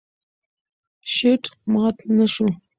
شیټ مات نه شو.